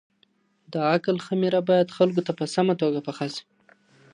د عقل خميره بايد خلګو ته په سمه توګه پخه سي.